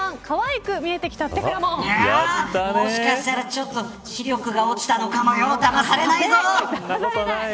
もしかしたら視力が落ちたのかもよだまされないぞ。